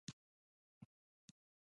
مشرتابه ته ولې درناوی کوو؟